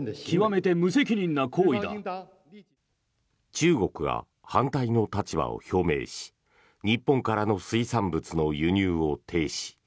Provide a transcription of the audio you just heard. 中国が反対の立場を表明し日本からの水産物の輸入を停止。